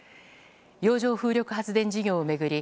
洋上風力発電事業を巡り